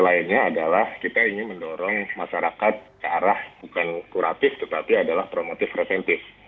lainnya adalah kita ingin mendorong masyarakat ke arah bukan kuratif tetapi adalah promotif preventif